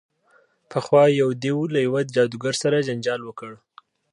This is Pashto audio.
پخوا یو دیو له یوه جادوګر سره جنجال وکړ.